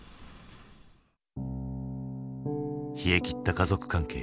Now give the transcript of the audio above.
冷え切った家族関係。